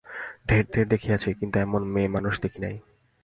ঢের ঢের দেখিয়াছি, কিন্তু এমন মেয়েমানুষ দেখি নাই।